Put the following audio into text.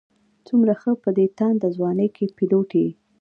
څومره ښه په دې تانده ځوانۍ کې پيلوټ یې.